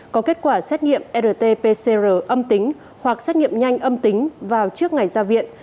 có kết quả xét nghiệm rt pcr âm tính hoặc xét nghiệm nhanh âm tính vào trước ngày ra viện